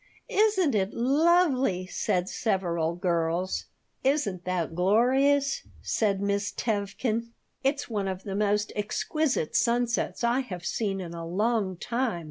"Isn't it lovely?" said several girls "Isn't that glorious?" said Miss Tevkin. "It's one of the most exquisite sunsets I have seen in a long time."